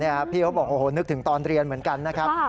นี่พี่เขาบอกโอ้โหนึกถึงตอนเรียนเหมือนกันนะครับ